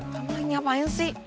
kamu lagi ngapain sih